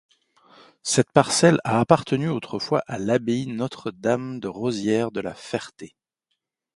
Cette parcelle a appartenu autrefois à l'abbaye Notre-Dame de Rosières de La Ferté.